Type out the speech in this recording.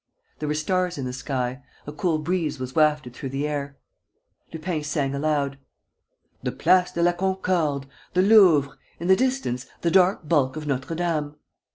There were stars in the sky. A cool breeze was wafted through the air. Lupin sang aloud: The Place de la Concorde, the Louvre. ... In the distance, the dark bulk of Notre Dame.